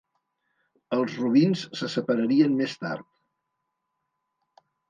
Els Robins se separarien més tard.